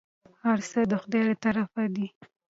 هرڅه د خداى له طرفه دي.